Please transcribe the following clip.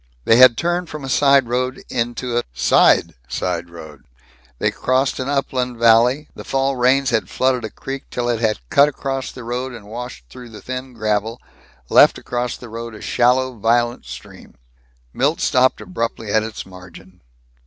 They had turned from a side road into a side side road. They crossed an upland valley. The fall rains had flooded a creek till it had cut across the road, washed through the thin gravel, left across the road a shallow violent stream. Milt stopped abruptly at its margin.